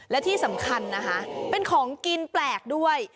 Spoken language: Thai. และที่สำคัญนะคะเป็นของกินแปลกด้วย